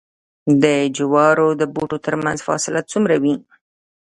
د جوارو د بوټو ترمنځ فاصله څومره وي؟